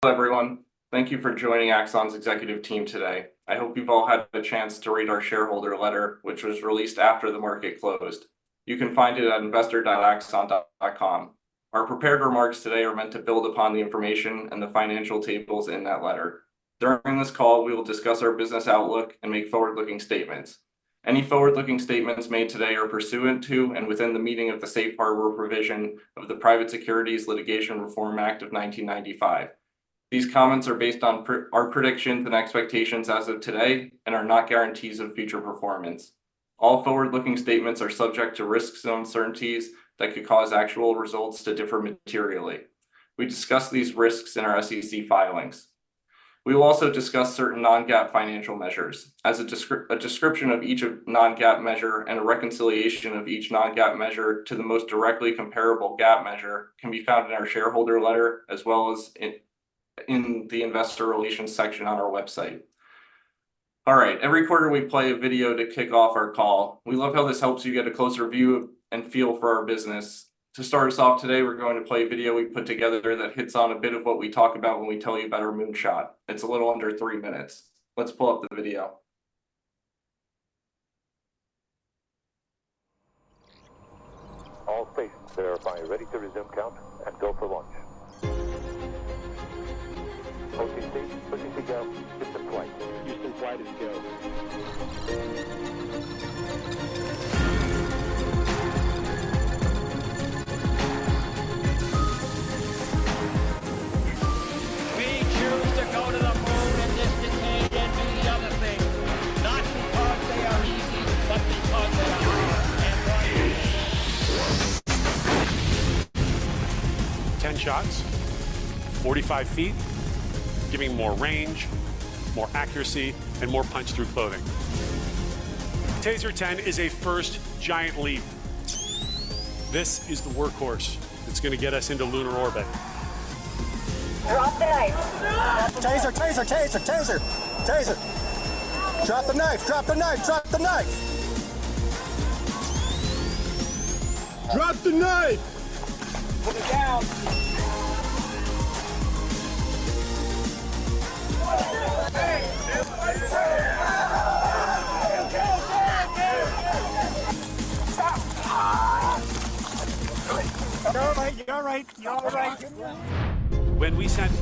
Hello everyone, thank you for joining Axon's executive team today. I hope you've all had the chance to read our shareholder letter, which was released after the market closed. You can find it at investor.axon.com. Our prepared remarks today are meant to build upon the information and the financial tables in that letter. During this call, we will discuss our business outlook and make forward-looking statements. Any forward-looking statements made today are pursuant to and within the meaning of the Safe Harbor provision of the Private Securities Litigation Reform Act of 1995. These comments are based on our predictions and expectations as of today and are not guarantees of future performance. All forward-looking statements are subject to risks and uncertainties that could cause actual results to differ materially. We discuss these risks in our SEC filings. We will also discuss certain non-GAAP financial measures. As a description of each non-GAAP measure and a reconciliation of each non-GAAP measure to the most directly comparable GAAP measure can be found in our shareholder letter as well as in the investor relations section on our website. All right, every quarter we play a video to kick off our call. We love how this helps you get a closer view and feel for our business. To start us off today, we're going to play a video we put together that hits on a bit of what we talk about when we tell you about our moonshot. It's a little under three minutes. Let's pull up the video. All states verify ready to resume count and go for launch. OTC, OTC go. Houston flight. Houston flight is go. We choose to go to the moon in this decade and do the other thing, not because they are easy but because they are hard. 10 shots, 45 feet, giving more range, more accuracy, and more punch through clothing. TASER 10 is a first giant leap. This is the workhorse that's going to get us into lunar orbit. Drop the knife. Taser, taser, taser, taser, taser. Drop the knife, drop the knife, drop the knife. Drop the knife. Put it down. Stop. You're all right, you're all right, you're all right. When we sent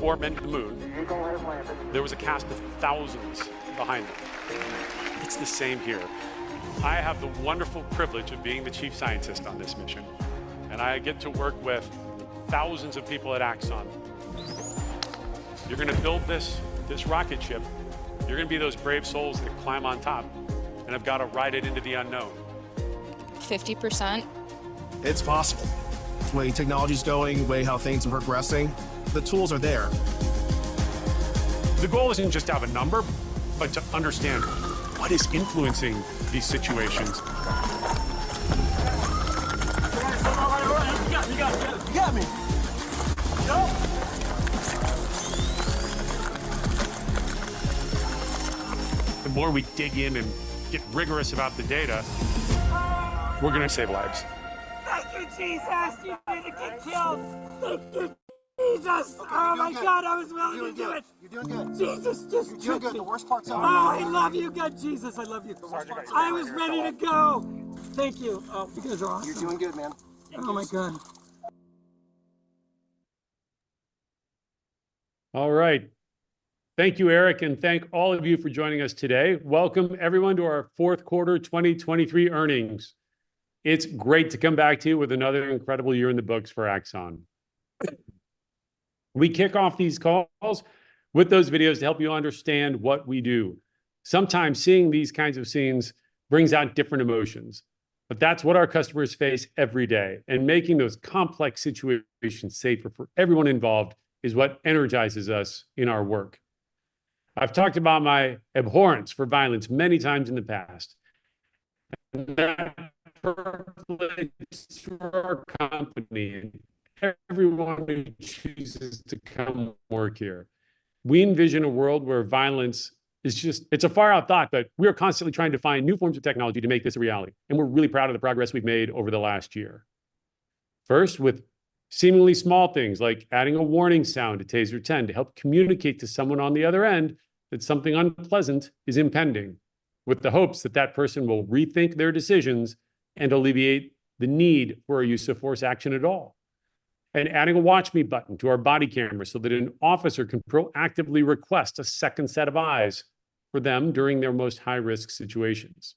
four men to the moon, there was a cast of thousands behind them. It's the same here. I have the wonderful privilege of being the chief scientist on this mission, and I get to work with thousands of people at Axon. You're going to build this rocket ship. You're going to be those brave souls that climb on top and have got to ride it into the unknown. 50%. It's possible. The way technology's going, the way how things are progressing, the tools are there. The goal isn't just to have a number, but to understand what is influencing these situations. You got me, you got me. The more we dig in and get rigorous about the data, we're going to save lives. Thank you, Jesus. You didn't get killed. Jesus. Oh my God, I was willing to do it. You're doing good. Jesus, just. You're doing good. The worst part's on me. Oh, I love you. Good, Jesus. I love you. I was ready to go. Thank you. Oh, you guys are awesome. You're doing good, man. Oh my God! All right. Thank you, Erik, and thank all of you for joining us today. Welcome, everyone, to our fourth quarter 2023 earnings. It's great to come back to you with another incredible year in the books for Axon. We kick off these calls with those videos to help you understand what we do. Sometimes seeing these kinds of scenes brings out different emotions, but that's what our customers face every day, and making those complex situations safer for everyone involved is what energizes us in our work. I've talked about my abhorrence for violence many times in the past, and that perpetuates for our company and everyone who chooses to come work here. We envision a world where violence is just, it's a far-out thought, but we are constantly trying to find new forms of technology to make this a reality, and we're really proud of the progress we've made over the last year. First, with seemingly small things like adding a warning sound to TASER 10 to help communicate to someone on the other end that something unpleasant is impending, with the hopes that that person will rethink their decisions and alleviate the need for a use of force action at all. Adding a watch me button to our body camera so that an officer can proactively request a second set of eyes for them during their most high-risk situations.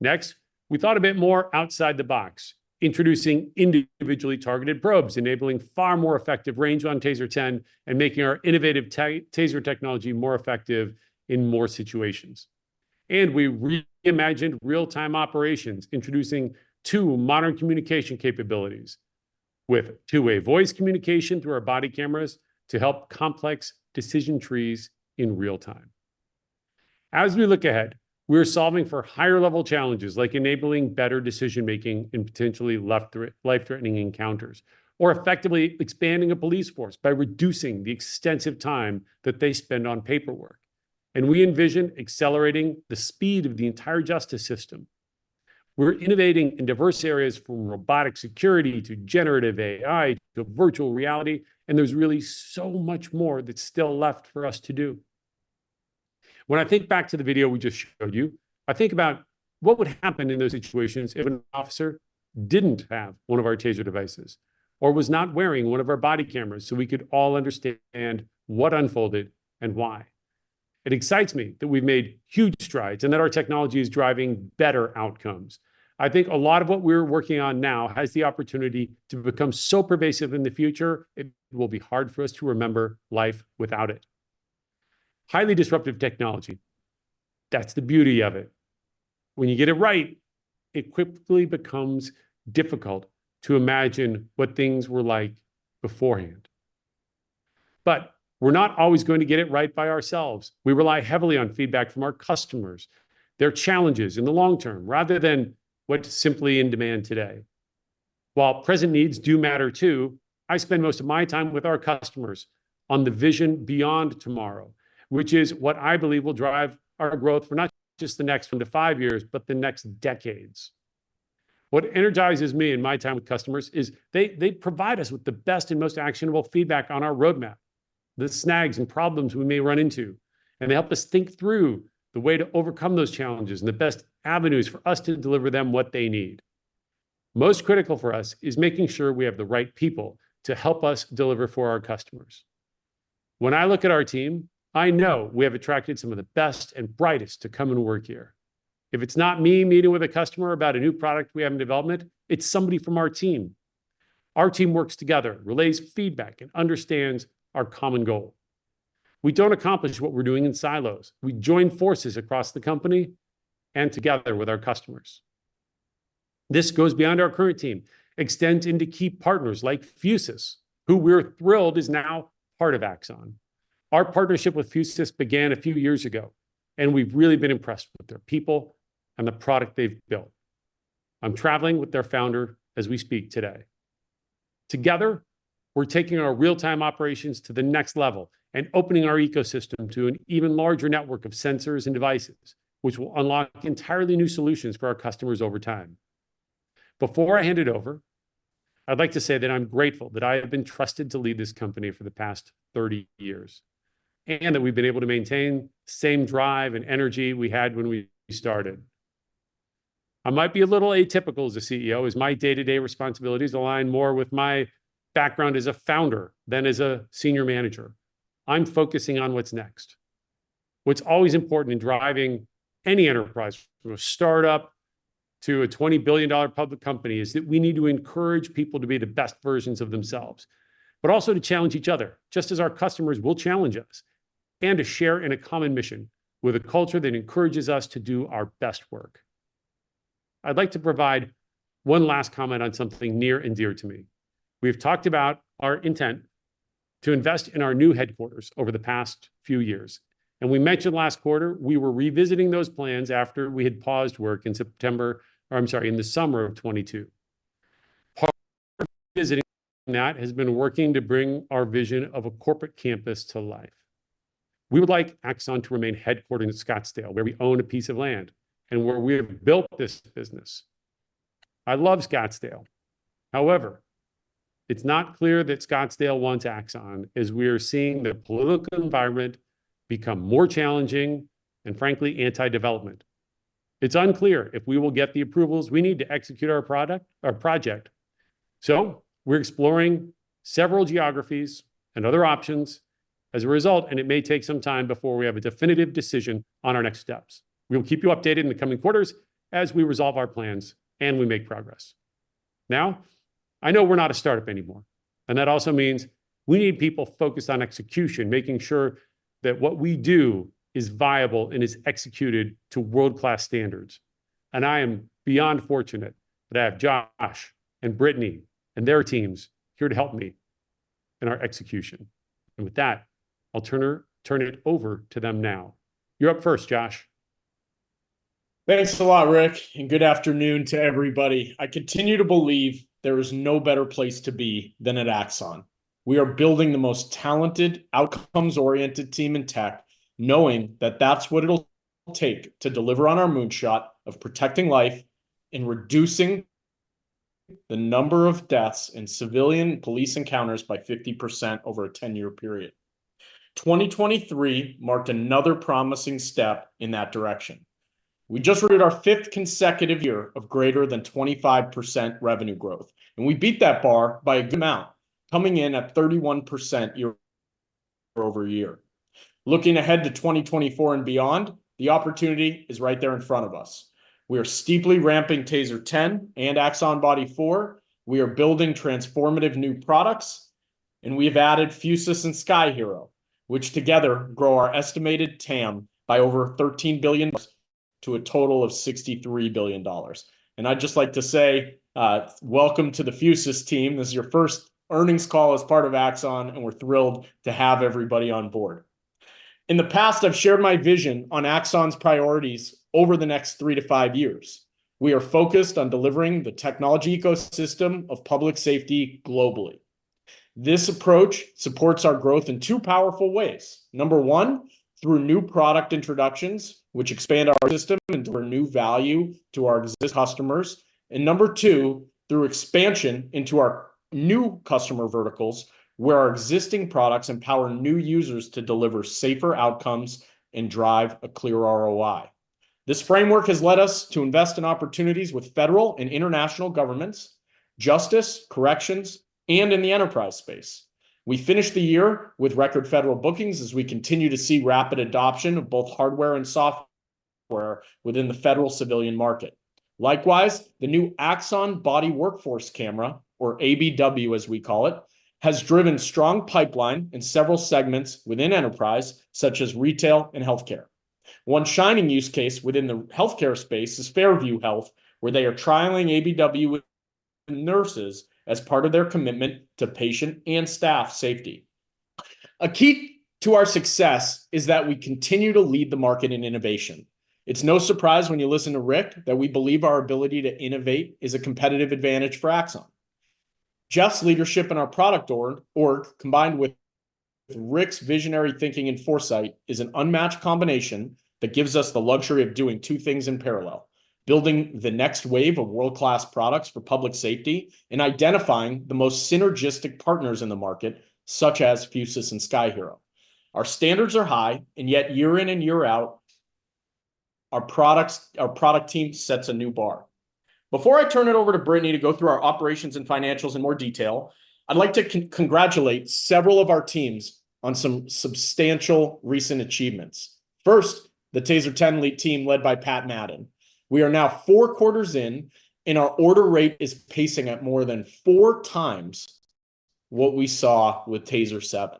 Next, we thought a bit more outside the box, introducing individually targeted probes, enabling far more effective range on TASER 10, and making our innovative TASER technology more effective in more situations. We reimagined real-time operations, introducing two modern communication capabilities with two-way voice communication through our body cameras to help complex decision trees in real time. As we look ahead, we're solving for higher-level challenges like enabling better decision-making in potentially life-threatening encounters or effectively expanding a police force by reducing the extensive time that they spend on paperwork. We envision accelerating the speed of the entire justice system. We're innovating in diverse areas from robotic security to generative AI to virtual reality, and there's really so much more that's still left for us to do. When I think back to the video we just showed you, I think about what would happen in those situations if an officer didn't have one of our TASER devices or was not wearing one of our body cameras so we could all understand what unfolded and why. It excites me that we've made huge strides and that our technology is driving better outcomes. I think a lot of what we're working on now has the opportunity to become so pervasive in the future, it will be hard for us to remember life without it. Highly disruptive technology, that's the beauty of it. When you get it right, it quickly becomes difficult to imagine what things were like beforehand. But we're not always going to get it right by ourselves. We rely heavily on feedback from our customers, their challenges in the long term, rather than what's simply in demand today. While present needs do matter too, I spend most of my time with our customers on the vision beyond tomorrow, which is what I believe will drive our growth for not just the next one to five years, but the next decades. What energizes me in my time with customers is they provide us with the best and most actionable feedback on our roadmap, the snags and problems we may run into, and they help us think through the way to overcome those challenges and the best avenues for us to deliver them what they need. Most critical for us is making sure we have the right people to help us deliver for our customers. When I look at our team, I know we have attracted some of the best and brightest to come and work here. If it's not me meeting with a customer about a new product we have in development, it's somebody from our team. Our team works together, relays feedback, and understands our common goal. We don't accomplish what we're doing in silos. We join forces across the company and together with our customers. This goes beyond our current team, extends into key partners like Fusus, who we're thrilled is now part of Axon. Our partnership with Fusus began a few years ago, and we've really been impressed with their people and the product they've built. I'm traveling with their founder as we speak today. Together, we're taking our real-time operations to the next level and opening our ecosystem to an even larger network of sensors and devices, which will unlock entirely new solutions for our customers over time. Before I hand it over, I'd like to say that I'm grateful that I have been trusted to lead this company for the past 30 years and that we've been able to maintain the same drive and energy we had when we started. I might be a little atypical as a CEO, as my day-to-day responsibilities align more with my background as a founder than as a senior manager. I'm focusing on what's next. What's always important in driving any enterprise, from a startup to a $20 billion public company, is that we need to encourage people to be the best versions of themselves, but also to challenge each other, just as our customers will challenge us, and to share in a common mission with a culture that encourages us to do our best work. I'd like to provide one last comment on something near and dear to me. We have talked about our intent to invest in our new headquarters over the past few years, and we mentioned last quarter we were revisiting those plans after we had paused work in September or, I'm sorry, in the summer of 2022. Part of revisiting that has been working to bring our vision of a corporate campus to life. We would like Axon to remain headquartered in Scottsdale, where we own a piece of land and where we have built this business. I love Scottsdale. However, it's not clear that Scottsdale wants Axon as we are seeing the political environment become more challenging and, frankly, anti-development. It's unclear if we will get the approvals we need to execute our product or project. So we're exploring several geographies and other options as a result, and it may take some time before we have a definitive decision on our next steps. We will keep you updated in the coming quarters as we resolve our plans and we make progress. Now, I know we're not a startup anymore, and that also means we need people focused on execution, making sure that what we do is viable and is executed to world-class standards. I am beyond fortunate that I have Josh and Brittany and their teams here to help me in our execution. With that, I'll turn it over to them now. You're up first, Josh. Thanks a lot, Rick, and good afternoon to everybody. I continue to believe there is no better place to be than at Axon. We are building the most talented, outcomes-oriented team in tech, knowing that that's what it'll take to deliver on our moonshot of protecting life and reducing the number of deaths in civilian police encounters by 50% over a 10-year period. 2023 marked another promising step in that direction. We just reached our fifth consecutive year of greater than 25% revenue growth, and we beat that bar by a good amount, coming in at 31% year over year. Looking ahead to 2024 and beyond, the opportunity is right there in front of us. We are steeply ramping TASER 10 and Axon Body 4. We are building transformative new products, and we have added Fusus and Sky-Hero, which together grow our estimated TAM by over $13 billion to a total of $63 billion. I'd just like to say, welcome to the Fusus team. This is your first earnings call as part of Axon, and we're thrilled to have everybody on board. In the past, I've shared my vision on Axon's priorities over the next three to five years. We are focused on delivering the technology ecosystem of public safety globally. This approach supports our growth in two powerful ways. Number one, through new product introductions, which expand our system and bring new value to our existing customers. Number two, through expansion into our new customer verticals, where our existing products empower new users to deliver safer outcomes and drive a clear ROI. This framework has led us to invest in opportunities with federal and international governments, justice, corrections, and in the enterprise space. We finished the year with record federal bookings as we continue to see rapid adoption of both hardware and software within the federal civilian market. Likewise, the new Axon Body Workforce camera, or ABW as we call it, has driven strong pipeline in several segments within enterprise, such as retail and healthcare. One shining use case within the healthcare space is Fairview Health, where they are trialing ABW with nurses as part of their commitment to patient and staff safety. A key to our success is that we continue to lead the market in innovation. It's no surprise when you listen to Rick that we believe our ability to innovate is a competitive advantage for Axon. Jeff's leadership in our product org, combined with Rick's visionary thinking and foresight, is an unmatched combination that gives us the luxury of doing two things in parallel: building the next wave of world-class products for public safety and identifying the most synergistic partners in the market, such as Fusus and Sky-Hero. Our standards are high, and yet year in and year out, our product team sets a new bar. Before I turn it over to Brittany to go through our operations and financials in more detail, I'd like to congratulate several of our teams on some substantial recent achievements. First, the TASER 10 lead team led by Pat Madden. We are now four quarters in, and our order rate is pacing at more than four times what we saw with TASER 7.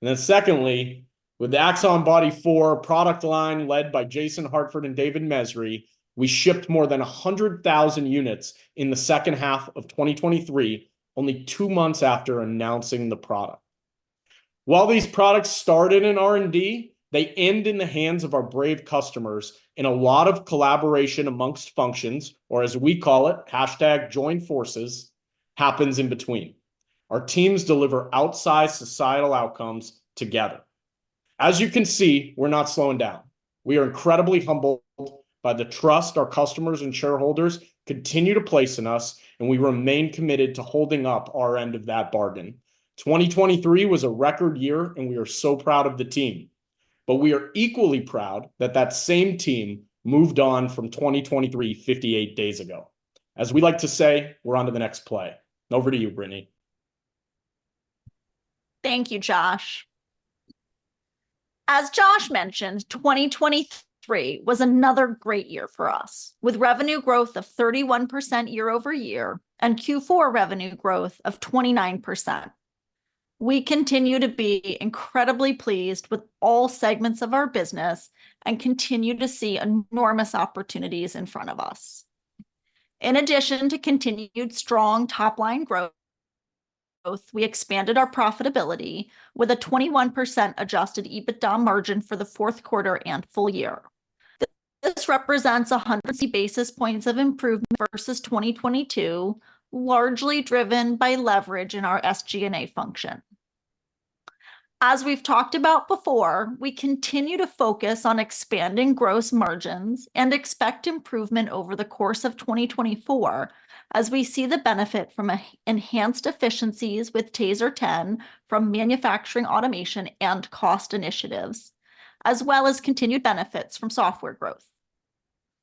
Then secondly, with the Axon Body 4 product line led by Jason Hartford and David Mesri we shipped more than 100,000 units in the second half of 2023, only two months after announcing the product. While these products started in R&D, they end in the hands of our brave customers in a lot of collaboration amongst functions, or as we call it, hashtag join forces, happens in between. Our teams deliver outsized societal outcomes together. As you can see, we're not slowing down. We are incredibly humbled by the trust our customers and shareholders continue to place in us, and we remain committed to holding up our end of that bargain. 2023 was a record year, and we are so proud of the team. We are equally proud that that same team moved on from 2023 58 days ago. As we like to say, we're on to the next play. Over to you, Brittany. Thank you, Josh. As Josh mentioned, 2023 was another great year for us, with revenue growth of 31% year-over-year and Q4 revenue growth of 29%. We continue to be incredibly pleased with all segments of our business and continue to see enormous opportunities in front of us. In addition to continued strong top-line growth, we expanded our profitability with a 21% adjusted EBITDA margin for the fourth quarter and full year. This represents 100 basis points of improvement versus 2022, largely driven by leverage in our SG&A function. As we've talked about before, we continue to focus on expanding gross margins and expect improvement over the course of 2024 as we see the benefit from enhanced efficiencies with TASER 10 from manufacturing automation and cost initiatives, as well as continued benefits from software growth.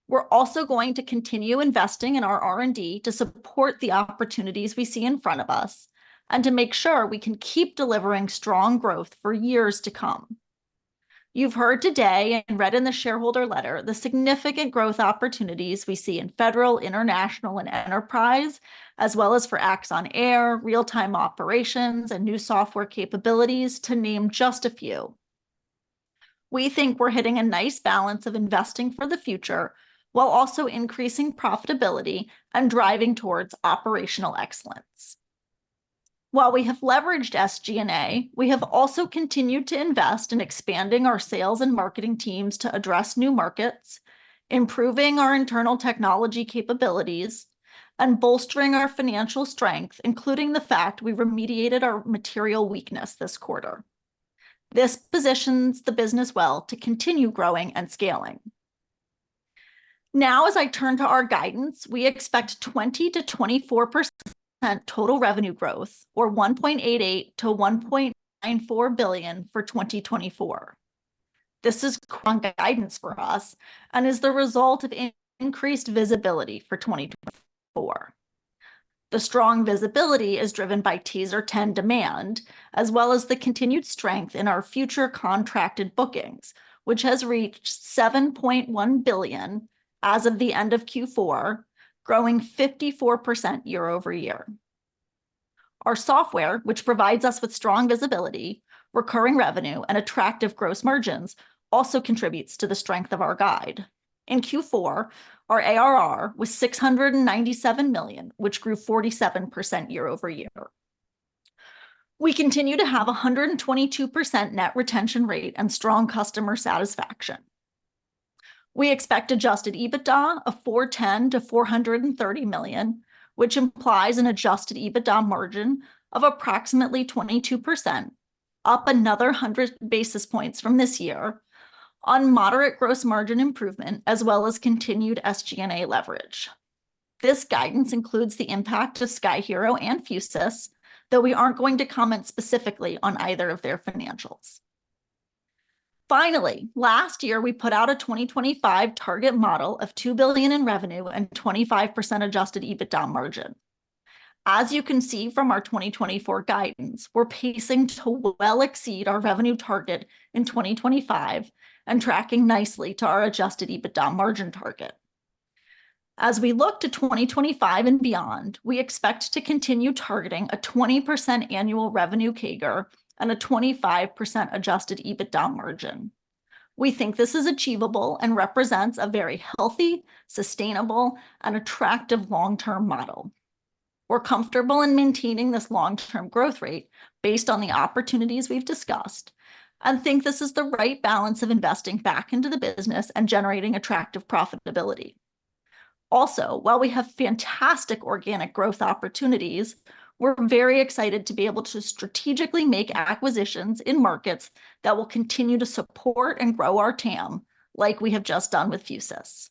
We're also going to continue investing in our R&D to support the opportunities we see in front of us and to make sure we can keep delivering strong growth for years to come. You've heard today and read in the shareholder letter the significant growth opportunities we see in federal, international, and enterprise, as well as for Axon Air, real-time operations, and new software capabilities, to name just a few. We think we're hitting a nice balance of investing for the future while also increasing profitability and driving towards operational excellence. While we have leveraged SG&A, we have also continued to invest in expanding our sales and marketing teams to address new markets, improving our internal technology capabilities, and bolstering our financial strength, including the fact we remediated our material weakness this quarter. This positions the business well to continue growing and scaling. Now, as I turn to our guidance, we expect 20%-24% total revenue growth, or $1.88 billion-$1.94 billion for 2024. This is strong guidance for us and is the result of increased visibility for 2024. The strong visibility is driven by TASER 10 demand, as well as the continued strength in our future contracted bookings, which has reached $7.1 billion as of the end of Q4, growing 54% year-over-year. Our software, which provides us with strong visibility, recurring revenue, and attractive gross margins, also contributes to the strength of our guide. In Q4, our ARR was $697 million, which grew 47% year-over-year. We continue to have a 122% net retention rate and strong customer satisfaction. We expect adjusted EBITDA of $410 million-$430 million, which implies an adjusted EBITDA margin of approximately 22%, up another 100 basis points from this year, on moderate gross margin improvement as well as continued SG&A leverage. This guidance includes the impact of Sky-Hero and Fusus, though we aren't going to comment specifically on either of their financials. Finally, last year we put out a 2025 target model of $2 billion in revenue and 25% adjusted EBITDA margin. As you can see from our 2024 guidance, we're pacing to well exceed our revenue target in 2025 and tracking nicely to our adjusted EBITDA margin target. As we look to 2025 and beyond, we expect to continue targeting a 20% annual revenue CAGR and a 25% adjusted EBITDA margin. We think this is achievable and represents a very healthy, sustainable, and attractive long-term model. We're comfortable in maintaining this long-term growth rate based on the opportunities we've discussed and think this is the right balance of investing back into the business and generating attractive profitability. Also, while we have fantastic organic growth opportunities, we're very excited to be able to strategically make acquisitions in markets that will continue to support and grow our TAM like we have just done with Fusus.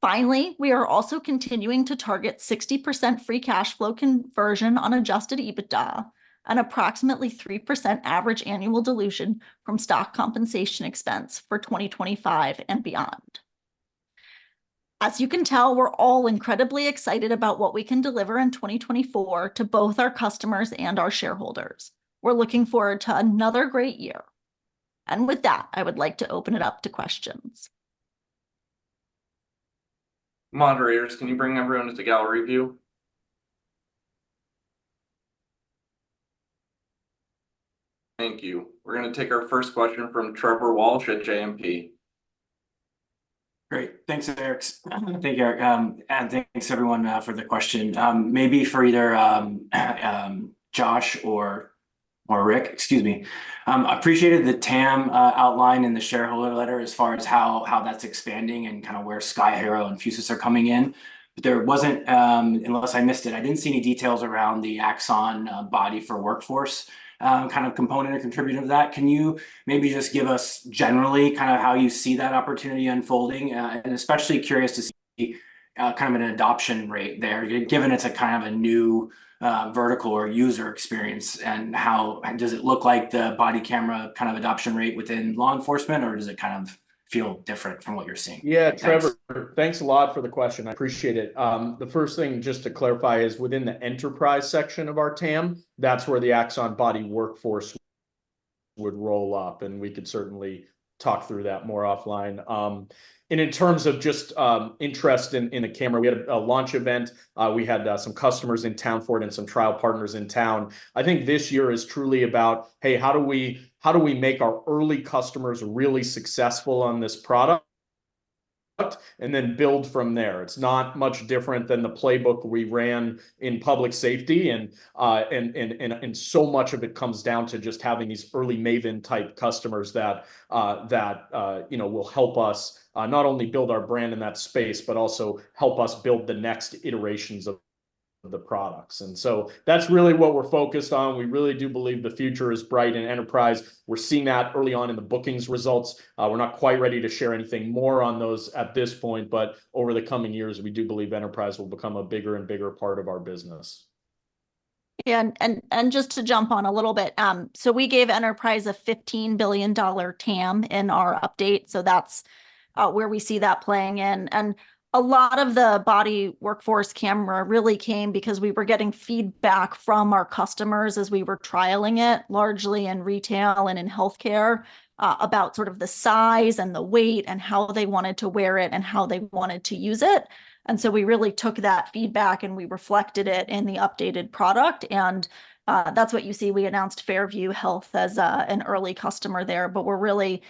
Finally, we are also continuing to target 60% Free Cash Flow conversion on Adjusted EBITDA and approximately 3% average annual dilution from stock compensation expense for 2025 and beyond. As you can tell, we're all incredibly excited about what we can deliver in 2024 to both our customers and our shareholders. We're looking forward to another great year. With that, I would like to open it up to questions. Moderators, can you bring everyone to the gallery view? Thank you. We're going to take our first question from Trevor Walsh at JMP. Great. Thanks, Eric. Thank you, Eric. And thanks, everyone, for the question. Maybe for either Josh or Rick. Excuse me. I appreciated the TAM outline in the shareholder letter as far as how that's expanding and kind of where Sky-Hero and Fusus are coming in. But there wasn't unless I missed it, I didn't see any details around the Axon Body 4 Workforce kind of component or contributor of that. Can you maybe just give us generally kind of how you see that opportunity unfolding? And especially curious to see kind of an adoption rate there, given it's a kind of a new vertical or user experience. And how does it look like the body camera kind of adoption rate within law enforcement, or does it kind of feel different from what you're seeing? Yeah, Trevor, thanks a lot for the question. I appreciate it. The first thing just to clarify is within the enterprise section of our TAM, that's where the Axon Body Workforce would roll up, and we could certainly talk through that more offline. In terms of just interest in the camera, we had a launch event. We had some customers in town for it and some trial partners in town. I think this year is truly about, hey, how do we make our early customers really successful on this product and then build from there? It's not much different than the playbook we ran in public safety. So much of it comes down to just having these early Maven-type customers that will help us not only build our brand in that space, but also help us build the next iterations of the products. That's really what we're focused on. We really do believe the future is bright in enterprise. We're seeing that early on in the bookings results. We're not quite ready to share anything more on those at this point, but over the coming years, we do believe enterprise will become a bigger and bigger part of our business. Yeah. And just to jump on a little bit, so we gave enterprise a $15 billion TAM in our update. So that's where we see that playing in. And a lot of the Body Workforce camera really came because we were getting feedback from our customers as we were trialing it, largely in retail and in healthcare, about sort of the size and the weight and how they wanted to wear it and how they wanted to use it. And so we really took that feedback and we reflected it in the updated product. And that's what you see. We announced Fairview Health as an early customer there, but we're really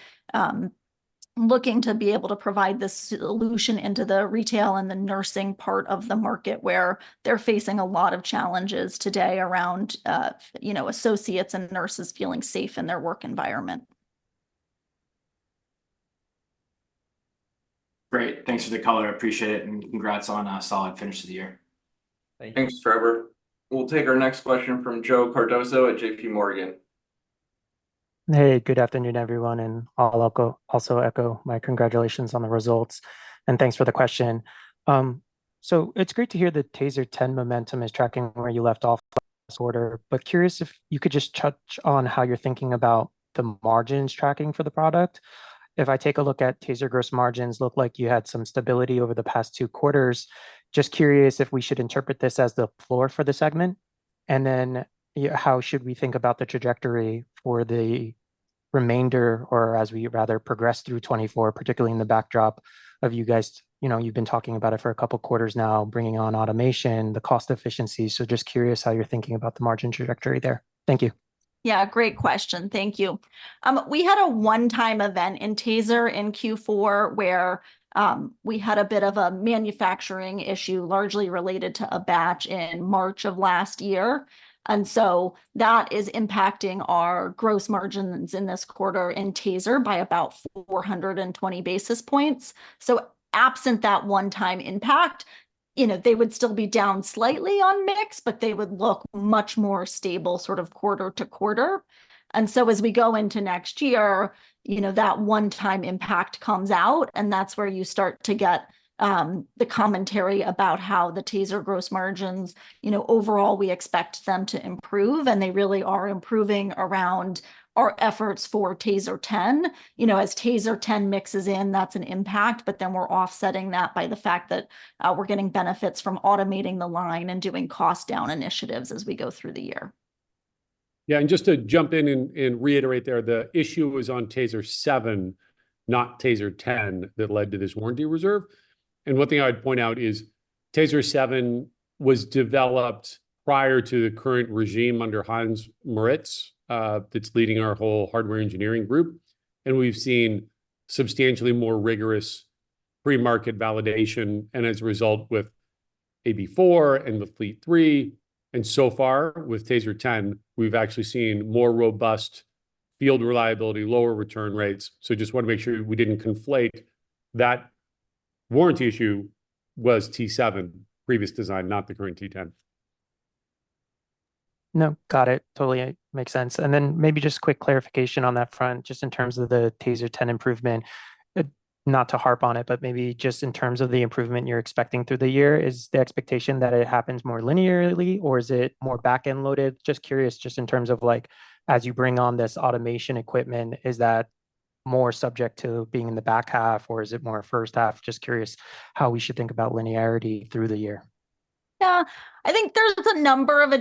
looking to be able to provide this solution into the retail and the nursing part of the market where they're facing a lot of challenges today around associates and nurses feeling safe in their work environment. Great. Thanks for the color. I appreciate it. Congrats on a solid finish of the year. Thanks, Trevor. We'll take our next question from Joe Cardoso at JPMorgan. Hey, good afternoon, everyone. I'll also echo my congratulations on the results. Thanks for the question. It's great to hear the TASER 10 momentum is tracking where you left off last quarter. But curious if you could just touch on how you're thinking about the margins tracking for the product. If I take a look at TASER gross margins, it looked like you had some stability over the past two quarters. Just curious if we should interpret this as the floor for the segment. Then how should we think about the trajectory for the remainder, or as we rather progress through 2024, particularly in the backdrop of you guys, you've been talking about it for a couple of quarters now, bringing on automation, the cost efficiencies. Just curious how you're thinking about the margin trajectory there. Thank you. Yeah, great question. Thank you. We had a one-time event in TASER in Q4 where we had a bit of a manufacturing issue largely related to a batch in March of last year. And so that is impacting our gross margins in this quarter in TASER by about 420 basis points. So absent that one-time impact, they would still be down slightly on mix, but they would look much more stable sort of quarter to quarter. And so as we go into next year, that one-time impact comes out, and that's where you start to get the commentary about how the TASER gross margins overall, we expect them to improve, and they really are improving around our efforts for TASER 10. As TASER 10 mixes in, that's an impact, but then we're offsetting that by the fact that we're getting benefits from automating the line and doing cost-down initiatives as we go through the year. Yeah. And just to jump in and reiterate there, the issue was on TASER 7, not TASER 10, that led to this warranty reserve. And one thing I would point out is TASER 7 was developed prior to the current regime under Heiner Moritz that's leading our whole hardware engineering group. And we've seen substantially more rigorous pre-market validation and as a result with AB4 and the Fleet 3. And so far with TASER 10, we've actually seen more robust field reliability, lower return rates. So just want to make sure we didn't conflate that warranty issue was T7, previous design, not the current T10. No, got it. Totally makes sense. And then maybe just quick clarification on that front, just in terms of the TASER 10 improvement, not to harp on it, but maybe just in terms of the improvement you're expecting through the year, is the expectation that it happens more linearly, or is it more backend-loaded? Just curious, just in terms of as you bring on this automation equipment, is that more subject to being in the back half, or is it more first half? Just curious how we should think about linearity through the year. Yeah, I think there's a number of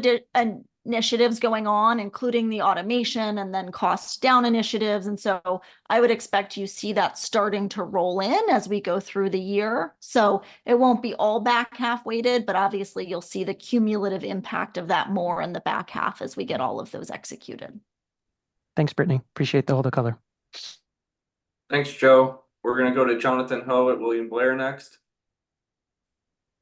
initiatives going on, including the automation and then cost-down initiatives. And so I would expect you see that starting to roll in as we go through the year. So it won't be all back half weighted, but obviously, you'll see the cumulative impact of that more in the back half as we get all of those executed. Thanks, Brittany. Appreciate the hold of color. Thanks, Joe. We're going to go to Jonathan Ho at William Blair next.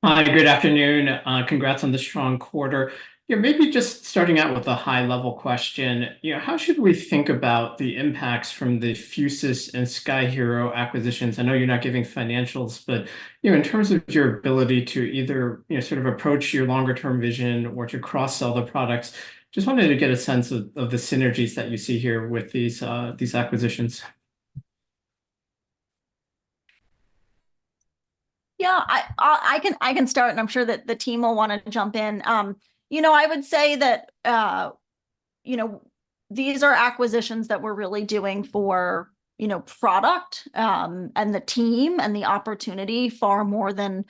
Hi, good afternoon. Congrats on the strong quarter. Maybe just starting out with a high-level question, how should we think about the impacts from the Fusus and Sky-Hero acquisitions? I know you're not giving financials, but in terms of your ability to either sort of approach your longer-term vision or to cross-sell the products, just wanted to get a sense of the synergies that you see here with these acquisitions. Yeah, I can start, and I'm sure that the team will want to jump in. I would say that these are acquisitions that we're really doing for product and the team and the opportunity far more than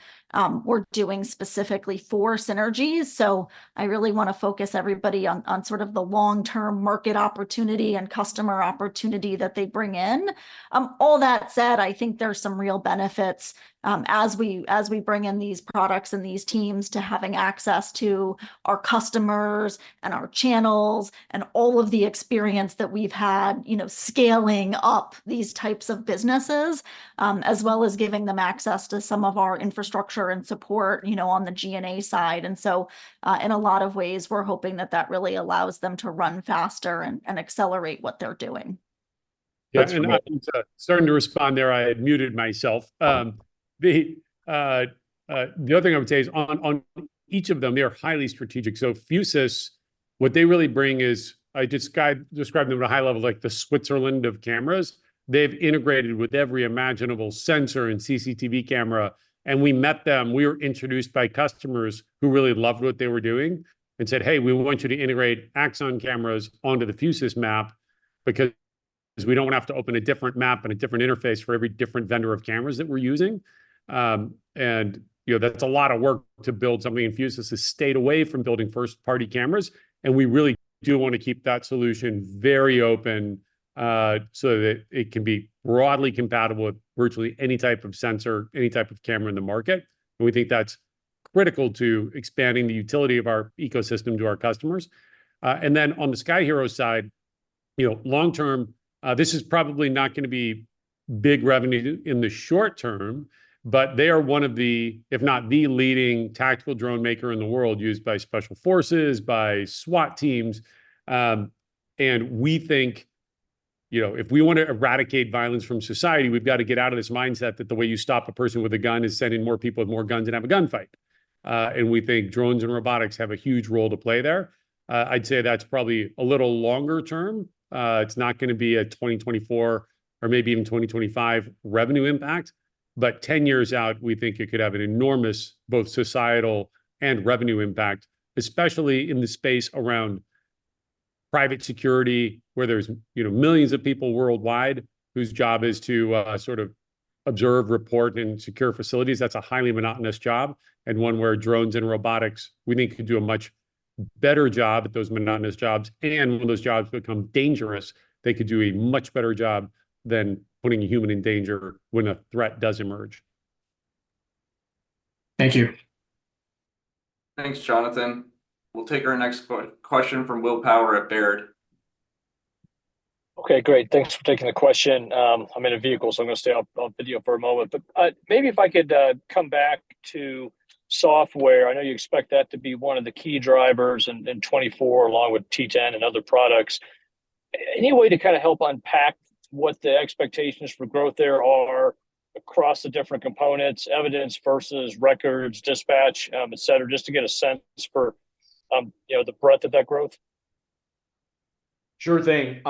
we're doing specifically for synergies. So I really want to focus everybody on sort of the long-term market opportunity and customer opportunity that they bring in. All that said, I think there's some real benefits as we bring in these products and these teams to having access to our customers and our channels and all of the experience that we've had scaling up these types of businesses, as well as giving them access to some of our infrastructure and support on the G&A side. And so in a lot of ways, we're hoping that that really allows them to run faster and accelerate what they're doing. Yeah, and I'm starting to respond there. I had muted myself. The other thing I would say is on each of them, they are highly strategic. So Fusus, what they really bring is I described them at a high level like the Switzerland of cameras. They've integrated with every imaginable sensor and CCTV camera. And we met them. We were introduced by customers who really loved what they were doing and said, "Hey, we want you to integrate Axon cameras onto the Fusus map because we don't want to have to open a different map and a different interface for every different vendor of cameras that we're using." And that's a lot of work to build something in Fusus to stay away from building first-party cameras. We really do want to keep that solution very open so that it can be broadly compatible with virtually any type of sensor, any type of camera in the market. We think that's critical to expanding the utility of our ecosystem to our customers. Then on the Sky-Hero side, long-term, this is probably not going to be big revenue in the short term, but they are one of the, if not the leading tactical drone maker in the world used by special forces, by SWAT teams. We think if we want to eradicate violence from society, we've got to get out of this mindset that the way you stop a person with a gun is sending more people with more guns and have a gun fight. We think drones and robotics have a huge role to play there. I'd say that's probably a little longer term. It's not going to be a 2024 or maybe even 2025 revenue impact. But 10 years out, we think it could have an enormous both societal and revenue impact, especially in the space around private security, where there's millions of people worldwide whose job is to sort of observe, report, and secure facilities. That's a highly monotonous job. And one where drones and robotics, we think, could do a much better job at those monotonous jobs. And when those jobs become dangerous, they could do a much better job than putting a human in danger when a threat does emerge. Thank you. Thanks, Jonathan. We'll take our next question from Will Power at Baird. Okay, great. Thanks for taking the question. I'm in a vehicle, so I'm going to stay off video for a moment. But maybe if I could come back to software, I know you expect that to be one of the key drivers in 2024 along with T10 and other products. Any way to kind of help unpack what the expectations for growth there are across the different components, evidence versus records, dispatch, etc., just to get a sense for the breadth of that growth? Sure thing.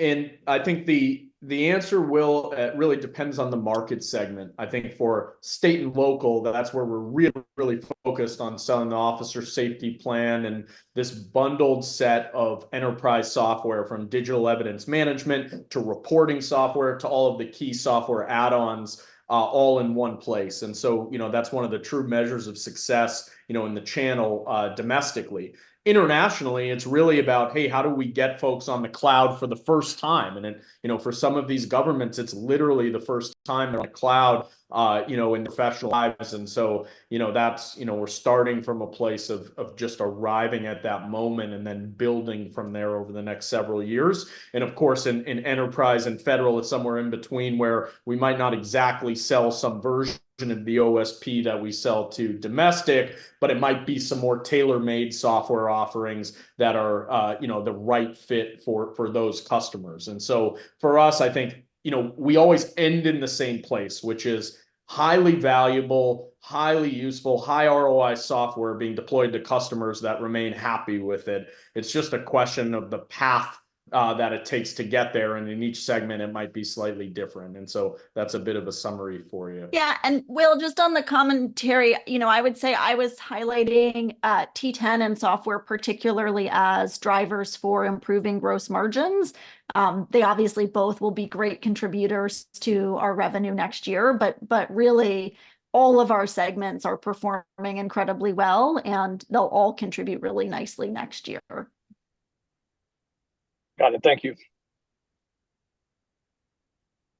And I think the answer, Will, really depends on the market segment. I think for state and local, that's where we're really, really focused on selling the Officer Safety Plan and this bundled set of enterprise software from Digital Evidence Management to reporting software to all of the key software add-ons, all in one place. And so that's one of the true measures of success in the channel domestically. Internationally, it's really about, hey, how do we get folks on the cloud for the first time? And for some of these governments, it's literally the first time they're on the cloud in professional lives. And so that's we're starting from a place of just arriving at that moment and then building from there over the next several years. Of course, in enterprise and federal, it's somewhere in between where we might not exactly sell some version of the OSP that we sell to domestic, but it might be some more tailor-made software offerings that are the right fit for those customers. So for us, I think we always end in the same place, which is highly valuable, highly useful, high ROI software being deployed to customers that remain happy with it. It's just a question of the path that it takes to get there. In each segment, it might be slightly different. So that's a bit of a summary for you. Yeah. Will, just on the commentary, I would say I was highlighting T10 and software particularly as drivers for improving gross margins. They obviously both will be great contributors to our revenue next year. But really, all of our segments are performing incredibly well, and they'll all contribute really nicely next year. Got it. Thank you.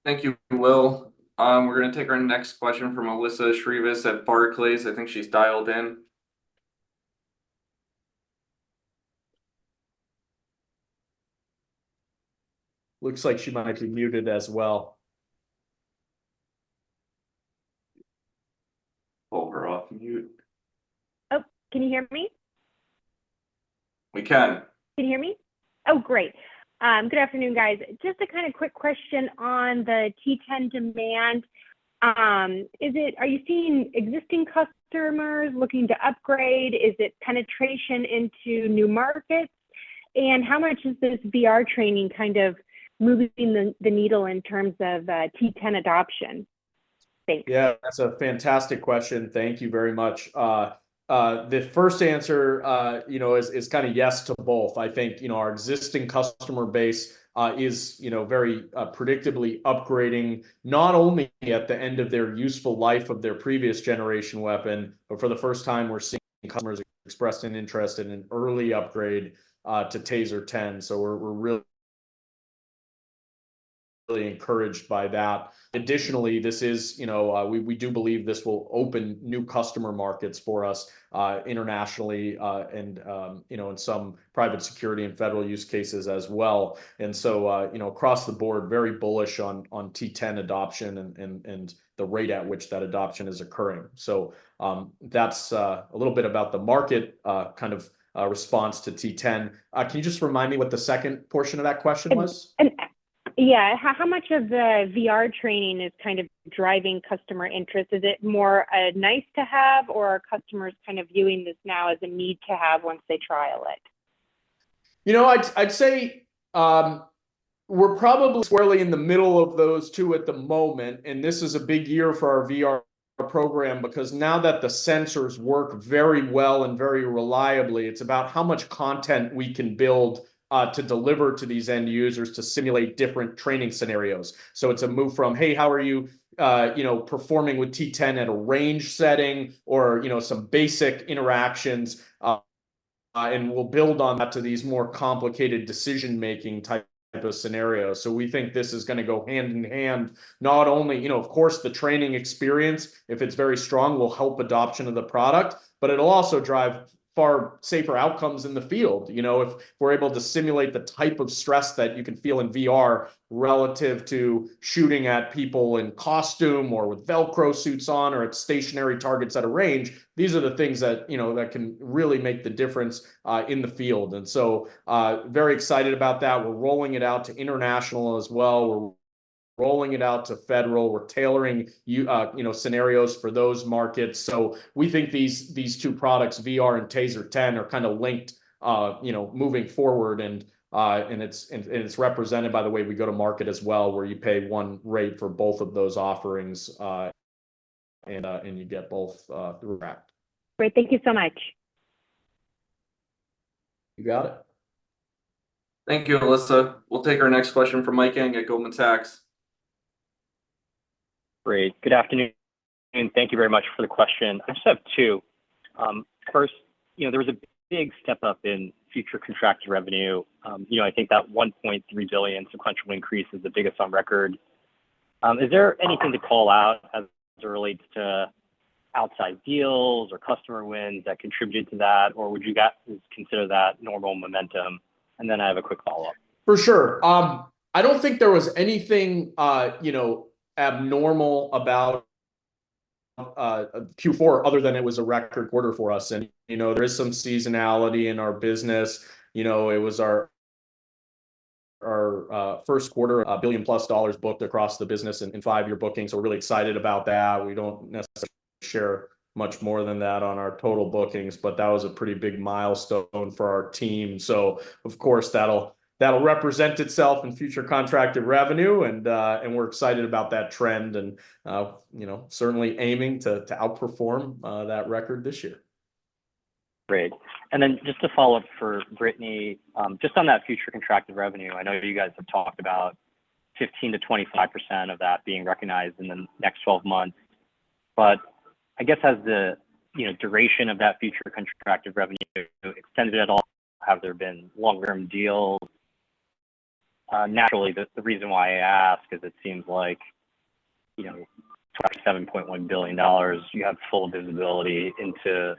Thank you, Will. We're going to take our next question from Alyssa Shreves at Barclays. I think she's dialed in. Looks like she might be muted as well. Pull her off mute. Oh, can you hear me? We can. Can you hear me? Oh, great. Good afternoon, guys. Just a kind of quick question on the T10 demand. Are you seeing existing customers looking to upgrade? Is it penetration into new markets? And how much is this VR training kind of moving the needle in terms of T10 adoption? Thanks. Yeah, that's a fantastic question. Thank you very much. The first answer is kind of yes to both. I think our existing customer base is very predictably upgrading not only at the end of their useful life of their previous generation weapon, but for the first time, we're seeing customers express an interest in an early upgrade to TASER 10. So we're really encouraged by that. Additionally, this is we do believe this will open new customer markets for us internationally and in some private security and federal use cases as well. And so across the board, very bullish on T10 adoption and the rate at which that adoption is occurring. So that's a little bit about the market kind of response to T10. Can you just remind me what the second portion of that question was? Yeah. How much of the VR training is kind of driving customer interest? Is it more a nice-to-have, or are customers kind of viewing this now as a need-to-have once they trial it? I'd say we're probably squarely in the middle of those two at the moment. This is a big year for our VR program because now that the sensors work very well and very reliably, it's about how much content we can build to deliver to these end users to simulate different training scenarios. It's a move from, "Hey, how are you performing with T10 at a range setting?" or some basic interactions. We'll build on that to these more complicated decision-making type of scenarios. We think this is going to go hand in hand. Not only, of course, the training experience, if it's very strong, will help adoption of the product, but it'll also drive far safer outcomes in the field. If we're able to simulate the type of stress that you can feel in VR relative to shooting at people in costume or with Velcro suits on or at stationary targets at a range, these are the things that can really make the difference in the field. And so very excited about that. We're rolling it out to international as well. We're rolling it out to federal. We're tailoring scenarios for those markets. So we think these two products, VR and TASER 10, are kind of linked moving forward. And it's represented by the way we go to market as well, where you pay one rate for both of those offerings and you get both wrapped. Great. Thank you so much. You got it. Thank you, Alyssa. We'll take our next question from Mike Yang at Goldman Sachs. Great. Good afternoon. Thank you very much for the question. I just have two. First, there was a big step up in future contracted revenue. I think that $1.3 billion sequential increase is the biggest on record. Is there anything to call out as it relates to outside deals or customer wins that contributed to that, or would you consider that normal momentum? And then I have a quick follow-up. For sure. I don't think there was anything abnormal about Q4 other than it was a record quarter for us. There is some seasonality in our business. It was our first quarter, $1 billion+ booked across the business in five-year bookings. We're really excited about that. We don't necessarily share much more than that on our total bookings, but that was a pretty big milestone for our team. Of course, that'll represent itself in future contracted revenue. We're excited about that trend and certainly aiming to outperform that record this year. Great. Then just to follow up for Brittany, just on that future contracted revenue, I know you guys have talked about 15%-25% of that being recognized in the next 12 months. But I guess as the duration of that future contracted revenue extended at all, have there been long-term deals? Naturally, the reason why I ask is it seems like $27.1 billion, you have full visibility into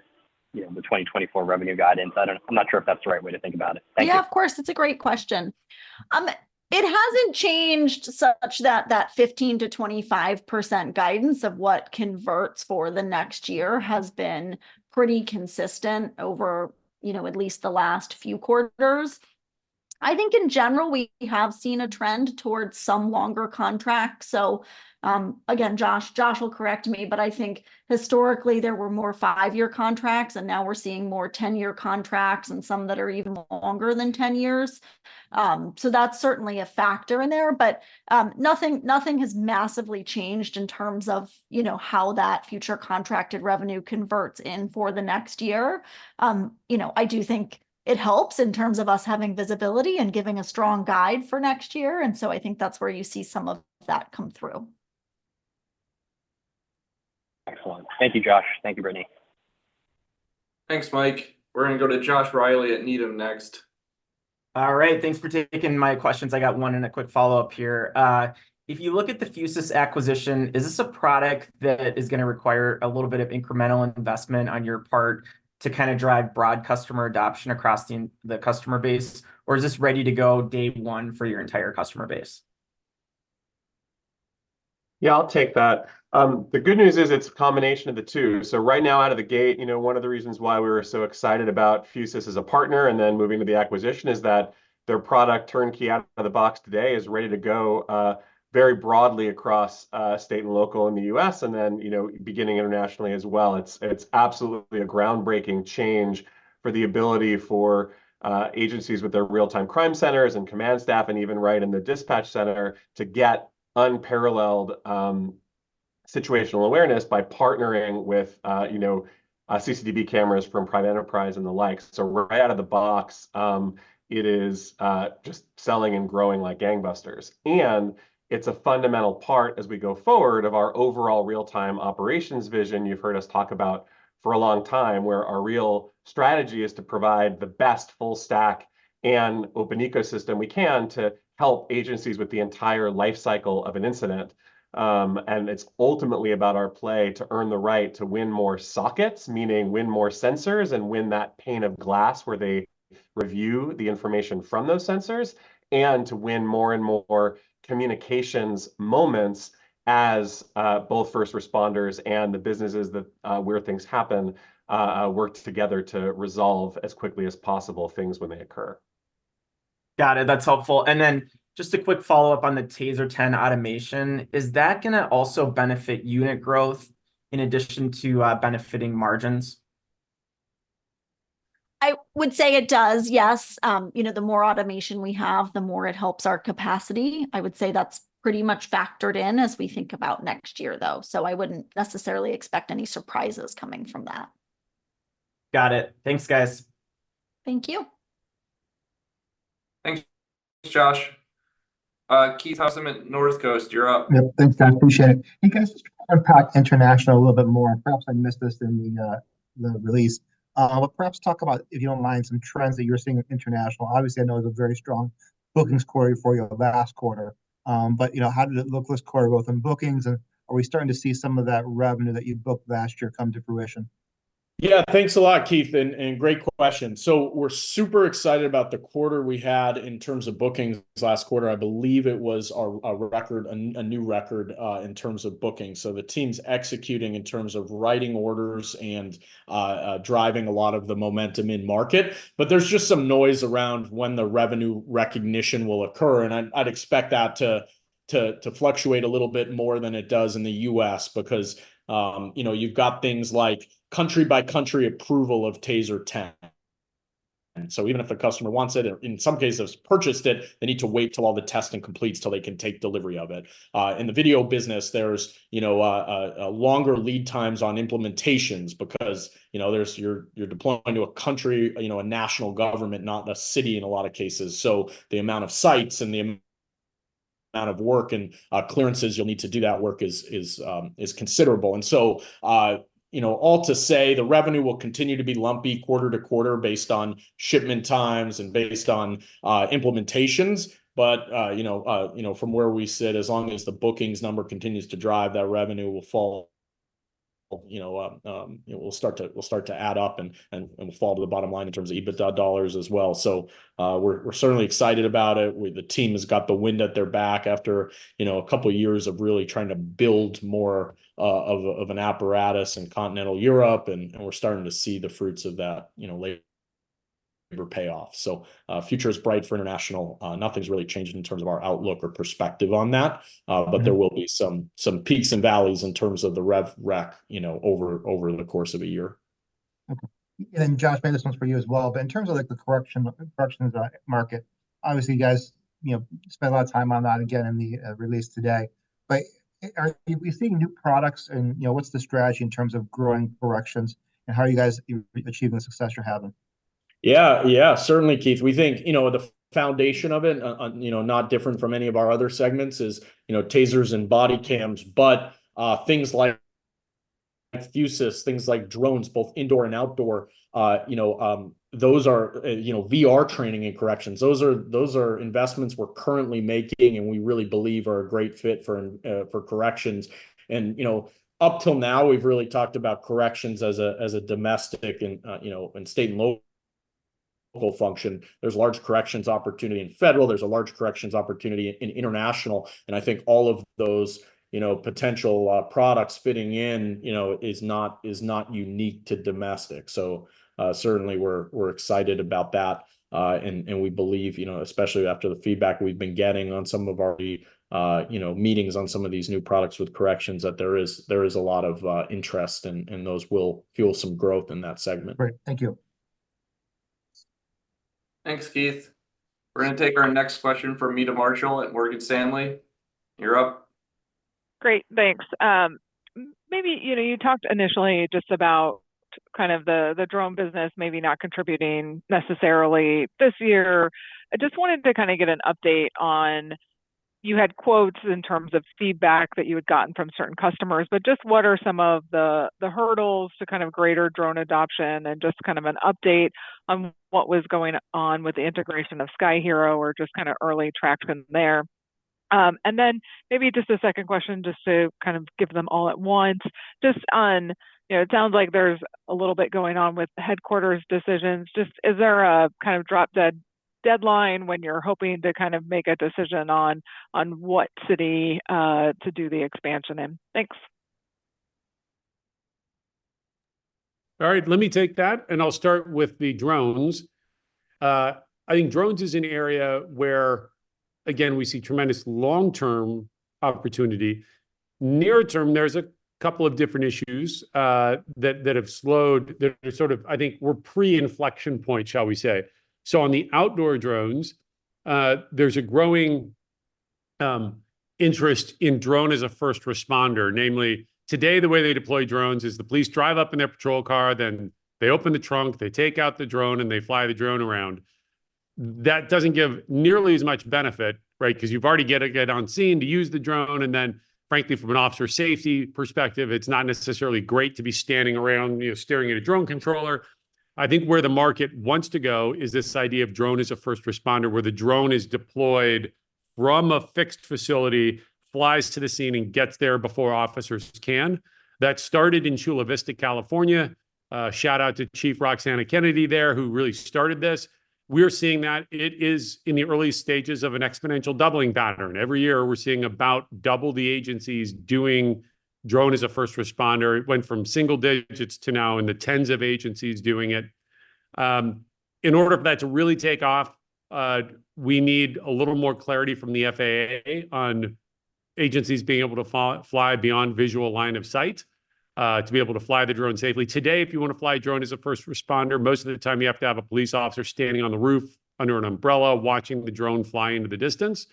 the 2024 revenue guidance. I'm not sure if that's the right way to think about it. Thank you. Yeah, of course. That's a great question. It hasn't changed such that that 15%-25% guidance of what converts for the next year has been pretty consistent over at least the last few quarters. I think in general, we have seen a trend towards some longer contracts. So again, Josh, Josh will correct me, but I think historically, there were more 5-year contracts, and now we're seeing more 10-year contracts and some that are even longer than 10 years. So that's certainly a factor in there. But nothing has massively changed in terms of how that future contracted revenue converts in for the next year. I do think it helps in terms of us having visibility and giving a strong guide for next year. And so I think that's where you see some of that come through. Excellent. Thank you, Josh. Thank you, Brittany. Thanks, Mike. We're going to go to Josh Reilly at Needham next. All right. Thanks for taking my questions. I got one and a quick follow-up here. If you look at the Fusus acquisition, is this a product that is going to require a little bit of incremental investment on your part to kind of drive broad customer adoption across the customer base, or is this ready to go day one for your entire customer base? Yeah, I'll take that. The good news is it's a combination of the two. So right now, out of the gate, one of the reasons why we were so excited about Fusus as a partner and then moving to the acquisition is that their product turnkey out of the box today is ready to go very broadly across state and local in the US and then beginning internationally as well. It's absolutely a groundbreaking change for the ability for agencies with their real-time crime centers and command staff and even right in the dispatch center to get unparalleled situational awareness by partnering with CCTV cameras from private enterprise and the like. So right out of the box, it is just selling and growing like gangbusters. And it's a fundamental part as we go forward of our overall real-time operations vision. You've heard us talk about for a long time where our real strategy is to provide the best full stack and open ecosystem we can to help agencies with the entire lifecycle of an incident. And it's ultimately about our play to earn the right to win more sockets, meaning win more sensors and win that pane of glass where they review the information from those sensors, and to win more and more communications moments as both first responders and the businesses where things happen work together to resolve as quickly as possible things when they occur. Got it. That's helpful. And then just a quick follow-up on the TASER 10 automation. Is that going to also benefit unit growth in addition to benefiting margins? I would say it does, yes. The more automation we have, the more it helps our capacity. I would say that's pretty much factored in as we think about next year, though. So I wouldn't necessarily expect any surprises coming from that. Got it. Thanks, guys. Thank you. Thanks, Josh. Keith Housum at Northcoast, you're up. Yep. Thanks, guys. Appreciate it. Hey, guys, let's talk about impact in International a little bit more. Perhaps I missed this in the release. But perhaps talk about, if you don't mind, some trends that you're seeing internationally. Obviously, I know it was a very strong bookings quarter for you last quarter. But how did it look this quarter, both in bookings, and are we starting to see some of that revenue that you booked last quarter come to fruition? Yeah. Thanks a lot, Keith, and great question. So we're super excited about the quarter we had in terms of bookings last quarter. I believe it was a new record in terms of bookings. So the team's executing in terms of writing orders and driving a lot of the momentum in market. But there's just some noise around when the revenue recognition will occur. And I'd expect that to fluctuate a little bit more than it does in the U.S. because you've got things like country-by-country approval of TASER 10. So even if the customer wants it, in some cases, purchased it, they need to wait till all the testing completes till they can take delivery of it. In the video business, there's longer lead times on implementations because you're deploying to a country, a national government, not a city in a lot of cases. So the amount of sites and the amount of work and clearances you'll need to do that work is considerable. So all to say, the revenue will continue to be lumpy quarter to quarter based on shipment times and based on implementations. But from where we sit, as long as the bookings number continues to drive, that revenue will fall. It will start to add up and will fall to the bottom line in terms of EBITDA dollars as well. So we're certainly excited about it. The team has got the wind at their back after a couple of years of really trying to build more of an apparatus in continental Europe, and we're starting to see the fruits of that labor payoff. So future is bright for international. Nothing's really changed in terms of our outlook or perspective on that, but there will be some peaks and valleys in terms of the rev rec over the course of a year. Okay. And then Josh, maybe this one's for you as well. But in terms of the corrections market, obviously, you guys spent a lot of time on that again in the release today. But are we seeing new products, and what's the strategy in terms of growing corrections, and how are you guys achieving the success you're having? Yeah. Yeah. Certainly, Keith. We think the foundation of it, not different from any of our other segments, is TASERs and bodycams. But things like Fusus, things like drones, both indoor and outdoor, those are VR training and corrections. Those are investments we're currently making, and we really believe are a great fit for corrections. And up till now, we've really talked about corrections as a domestic and state and local function. There's large corrections opportunity in federal. There's a large corrections opportunity in international. And I think all of those potential products fitting in is not unique to domestic. So certainly, we're excited about that. And we believe, especially after the feedback we've been getting on some of our meetings on some of these new products with corrections, that there is a lot of interest, and those will fuel some growth in that segment. Great. Thank you. Thanks, Keith. We're going to take our next question from Meta Marshall at Morgan Stanley. You're up. Great. Thanks. Maybe you talked initially just about kind of the drone business maybe not contributing necessarily this year. I just wanted to kind of get an update on you had quotes in terms of feedback that you had gotten from certain customers, but just what are some of the hurdles to kind of greater drone adoption and just kind of an update on what was going on with the integration of Sky-Hero or just kind of early traction there? And then maybe just a second question just to kind of give them all at once. Just on it sounds like there's a little bit going on with headquarters decisions. Just is there a kind of drop-deadline when you're hoping to kind of make a decision on what city to do the expansion in? Thanks. All right. Let me take that. I'll start with the drones. I think drones is an area where, again, we see tremendous long-term opportunity. Near-term, there's a couple of different issues that have slowed. They're sort of, I think, we're pre-inflection points, shall we say. On the outdoor drones, there's a growing interest in drone as a first responder. Namely, today, the way they deploy drones is the police drive up in their patrol car, then they open the trunk, they take out the drone, and they fly the drone around. That doesn't give nearly as much benefit, right, because you've already got to get on scene to use the drone. Then, frankly, from an officer's safety perspective, it's not necessarily great to be standing around staring at a drone controller. I think where the market wants to go is this idea of drone as a first responder where the drone is deployed from a fixed facility, flies to the scene, and gets there before officers can. That started in Chula Vista, California. Shout out to Chief Roxanna Kennedy there, who really started this. We are seeing that. It is in the early stages of an exponential doubling pattern. Every year, we're seeing about double the agencies doing drone as a first responder. It went from single digits to now in the tens of agencies doing it. In order for that to really take off, we need a little more clarity from the FAA on agencies being able to fly beyond visual line of sight to be able to fly the drone safely. Today, if you want to fly a drone as a first responder, most of the time, you have to have a police officer standing on the roof under an umbrella watching the drone fly into the distance.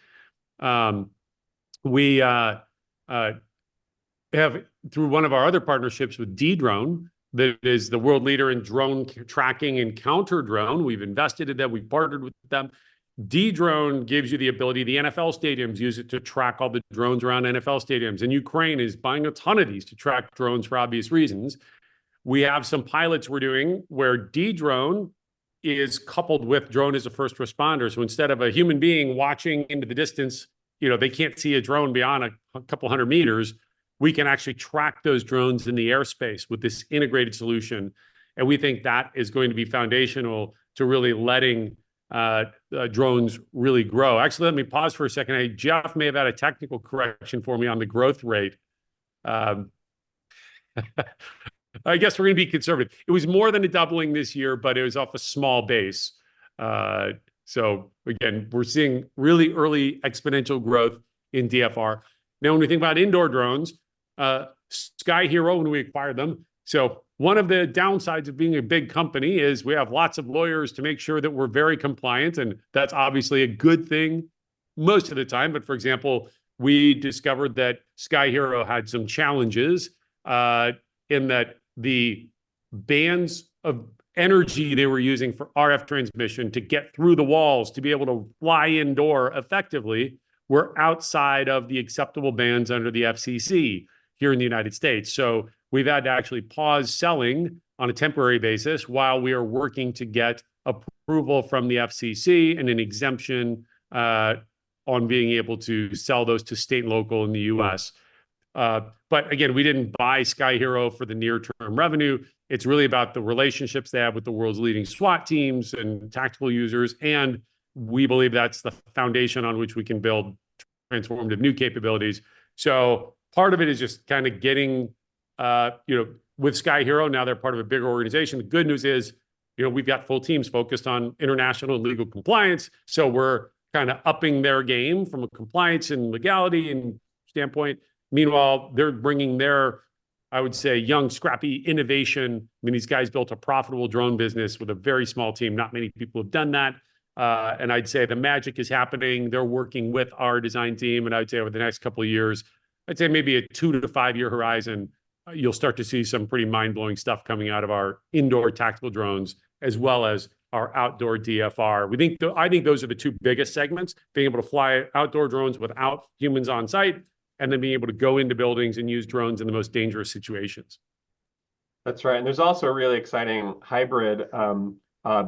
We have, through one of our other partnerships with Dedrone, that is the world leader in drone tracking and counter-drone. We've invested in them. We've partnered with them. Dedrone gives you the ability the NFL stadiums use it to track all the drones around NFL stadiums. And Ukraine is buying a ton of these to track drones for obvious reasons. We have some pilots we're doing where Dedrone is coupled with drone as a first responder. So instead of a human being watching into the distance, they can't see a drone beyond a couple hundred meters, we can actually track those drones in the airspace with this integrated solution. We think that is going to be foundational to really letting drones really grow. Actually, let me pause for a second. Jeff may have had a technical correction for me on the growth rate. I guess we're going to be conservative. It was more than a doubling this year, but it was off a small base. So again, we're seeing really early exponential growth in DFR. Now, when we think about indoor drones, Sky-Hero, when we acquired them. So one of the downsides of being a big company is we have lots of lawyers to make sure that we're very compliant. And that's obviously a good thing most of the time. But for example, we discovered that Sky-Hero had some challenges in that the bands of energy they were using for RF transmission to get through the walls to be able to fly indoor effectively were outside of the acceptable bands under the FCC here in the United States. So we've had to actually pause selling on a temporary basis while we are working to get approval from the FCC and an exemption on being able to sell those to state and local in the US. But again, we didn't buy Sky-Hero for the near-term revenue. It's really about the relationships they have with the world's leading SWAT teams and tactical users. And we believe that's the foundation on which we can build transformative new capabilities. So part of it is just kind of getting with Sky-Hero, now they're part of a bigger organization. The good news is we've got full teams focused on international and legal compliance. So we're kind of upping their game from a compliance and legality standpoint. Meanwhile, they're bringing their, I would say, young, scrappy innovation. I mean, these guys built a profitable drone business with a very small team. Not many people have done that. And I'd say the magic is happening. They're working with our design team. And I'd say over the next couple of years, I'd say maybe a two-five year horizon, you'll start to see some pretty mind-blowing stuff coming out of our indoor tactical drones as well as our outdoor DFR. I think those are the two biggest segments, being able to fly outdoor drones without humans on site and then being able to go into buildings and use drones in the most dangerous situations. That's right. There's also a really exciting hybrid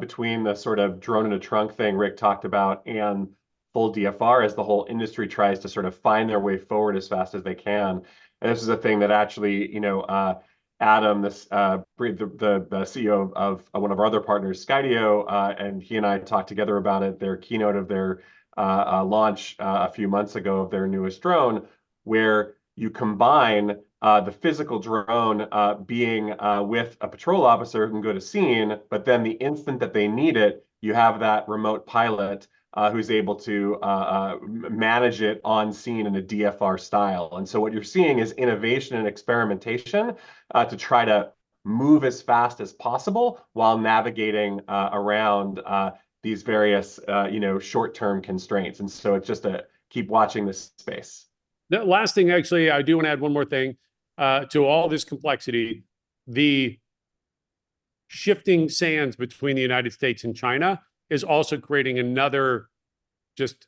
between the sort of drone in a trunk thing Rick talked about and full DFR as the whole industry tries to sort of find their way forward as fast as they can. This is a thing that actually, Adam, the CEO of one of our other partners, Skydio, and he and I talked together about it, their keynote of their launch a few months ago of their newest drone where you combine the physical drone being with a patrol officer who can go to scene, but then the instant that they need it, you have that remote pilot who's able to manage it on scene in a DFR style. So what you're seeing is innovation and experimentation to try to move as fast as possible while navigating around these various short-term constraints. So it's just keep watching this space. Last thing, actually, I do want to add one more thing. To all this complexity, the shifting sands between the United States and China is also creating another just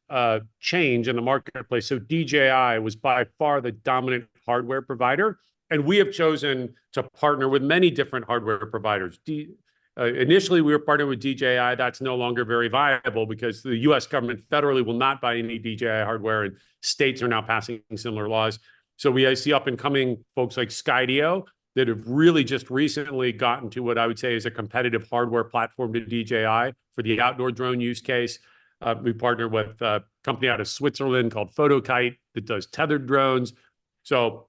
change in the marketplace. So DJI was by far the dominant hardware provider. And we have chosen to partner with many different hardware providers. Initially, we were partnering with DJI. That's no longer very viable because the U.S. government federally will not buy any DJI hardware, and states are now passing similar laws. So I see up-and-coming folks like Skydio that have really just recently gotten to what I would say is a competitive hardware platform to DJI for the outdoor drone use case. We partner with a company out of Switzerland called Fotokite that does tethered drones. So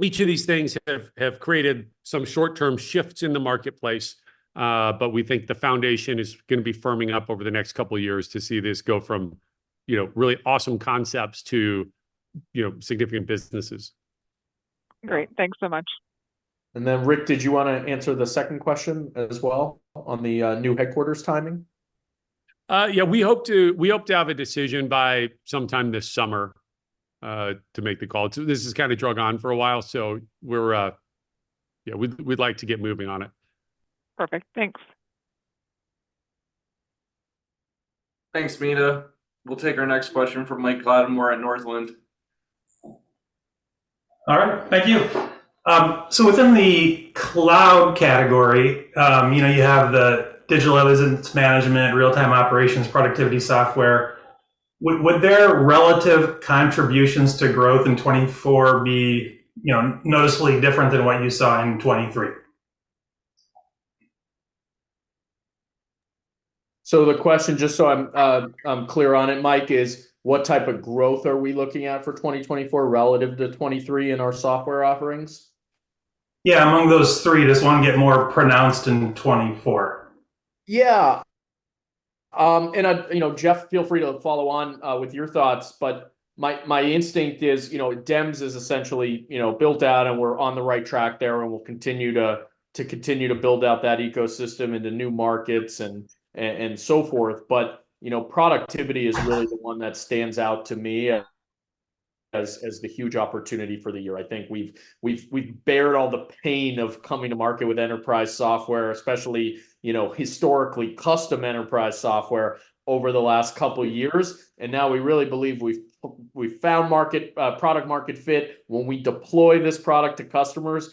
each of these things have created some short-term shifts in the marketplace. We think the foundation is going to be firming up over the next couple of years to see this go from really awesome concepts to significant businesses. Great. Thanks so much. And then, Rick, did you want to answer the second question as well on the new headquarters timing? Yeah. We hope to have a decision by sometime this summer to make the call. This has kind of dragged on for a while, so we'd like to get moving on it. Perfect. Thanks. Thanks, Mead. We'll take our next question from Mike Grondahl at Northland. All right. Thank you. So within the cloud category, you have the Digital Evidence Management, Real-Time Operations, productivity software. Would their relative contributions to growth in 2024 be noticeably different than what you saw in 2023? So the question, just so I'm clear on it, Mike, is what type of growth are we looking at for 2024 relative to 2023 in our software offerings? Yeah. Among those three, does one get more pronounced in 2024? Yeah. And Jeff, feel free to follow on with your thoughts. But my instinct is DEMS is essentially built out, and we're on the right track there, and we'll continue to build out that ecosystem into new markets and so forth. But productivity is really the one that stands out to me as the huge opportunity for the year. I think we've borne all the pain of coming to market with enterprise software, especially historically custom enterprise software over the last couple of years. And now we really believe we've found product-market fit. When we deploy this product to customers,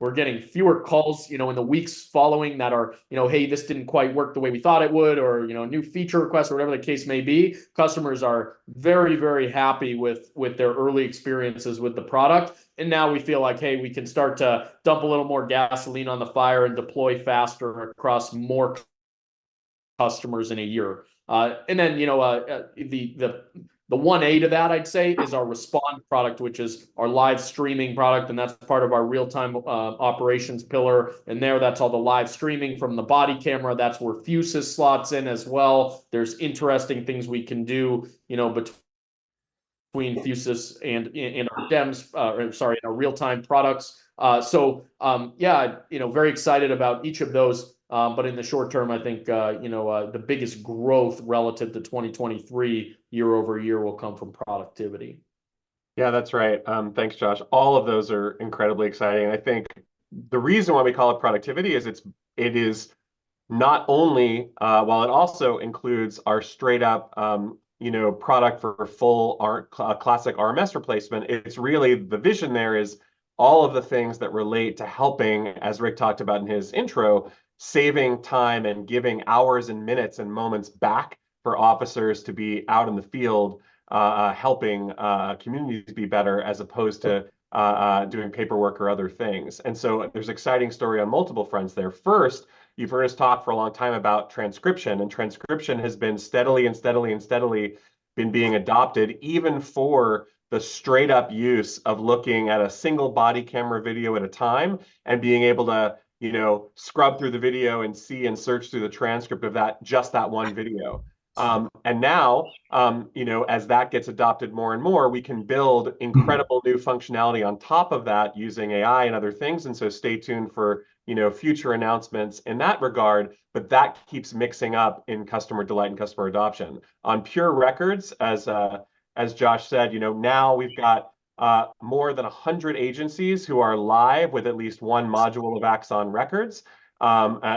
we're getting fewer calls in the weeks following that are, "Hey, this didn't quite work the way we thought it would," or new feature requests, or whatever the case may be. Customers are very, very happy with their early experiences with the product. And now we feel like, "Hey, we can start to dump a little more gasoline on the fire and deploy faster across more customers in a year." And then the 1A to that, I'd say, is our Respond product, which is our live streaming product. And that's part of our real-time operations pillar. And there, that's all the live streaming from the body camera. That's where Fusus slots in as well. There's interesting things we can do between Fusus and our DEMS or, sorry, our real-time products. So yeah, very excited about each of those. But in the short term, I think the biggest growth relative to 2023, year-over-year, will come from productivity. Yeah, that's right. Thanks, Josh. All of those are incredibly exciting. I think the reason why we call it productivity is it is not only while it also includes our straight-up product for full classic RMS replacement. It's really the vision there is all of the things that relate to helping, as Rick talked about in his intro, saving time and giving hours and minutes and moments back for officers to be out in the field helping communities be better as opposed to doing paperwork or other things. So there's an exciting story on multiple fronts there. First, you've heard us talk for a long time about transcription. Transcription has been steadily being adopted even for the straight-up use of looking at a single body camera video at a time and being able to scrub through the video and see and search through the transcript of just that one video. Now, as that gets adopted more and more, we can build incredible new functionality on top of that using AI and other things. So stay tuned for future announcements in that regard. But that keeps mixing up in customer delight and customer adoption. On pure records, as Josh said, now we've got more than 100 agencies who are live with at least one module of Axon Records,